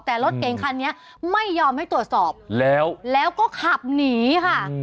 แต่รถเก่งคันนี้ไม่ยอมให้ตรวจสอบแล้วแล้วก็ขับหนีค่ะ